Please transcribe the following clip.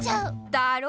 だろ？